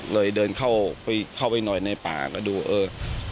เลยเดินเข้าไปเข้าไปหน่อยในป่าก็ดูเออ